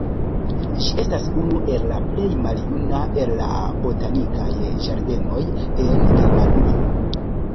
Ĝi estas unu el la plej maljuna el la botanikaj ĝardenoj en Germanujo.